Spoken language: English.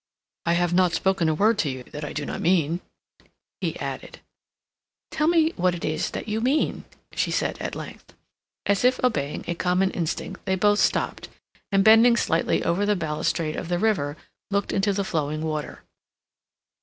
"I have not spoken a word to you that I do not mean," he added. "Tell me then what it is that you mean," she said at length. As if obeying a common instinct, they both stopped and, bending slightly over the balustrade of the river, looked into the flowing water.